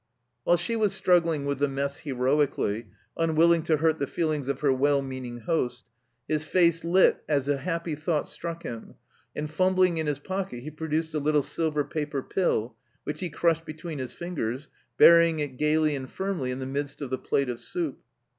While she was struggling with the mess hero ically, unwilling to hurt the feelings of her well meaning host, his face lit as a happy thought struck him, and, fumbling in his pocket, he pro duced a little silver paper pill, which he crushed between his fingers, burying it gaily and firmly in the midst of the plate of soup.